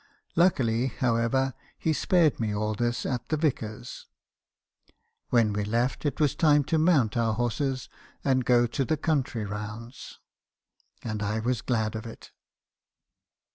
Luckily, however, he spared me all this at the vicar's. When we left, it was time to mount our horses and go the country rounds, and I was glad of it."